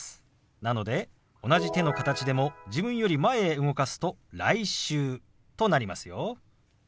なので同じ手の形でも自分より前へ動かすと「来週」となりますよ。